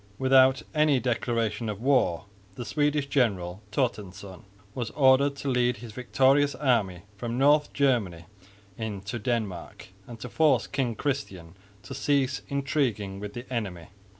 Without any declaration of war the Swedish general, Torstensson, was ordered to lead his victorious army from North Germany into Denmark and to force King Christian to cease intriguing with the enemy.